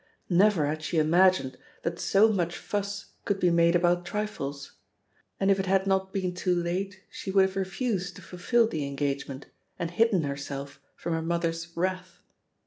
Never had she imagined that so much fuss could be made about trifles ; and if it had not been too late she would have refused to fulfil the engagement and hidden herself from her mother's wrath.